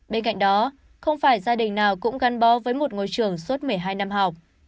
bên cạnh đó không phải gia đình nào cũng gắn bó với một ngôi trường suốt một mươi hai năm học